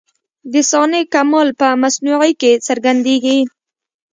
د صانع کمال په مصنوعي کي څرګندېږي.